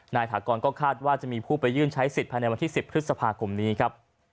ถากรก็คาดว่าจะมีผู้ไปยื่นใช้สิทธิภายในวันที่๑๐พฤษภาคมนี้ครับ